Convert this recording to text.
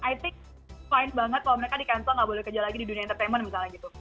i think fine banget kalau mereka di kantor nggak boleh kerja lagi di dunia entertainment misalnya gitu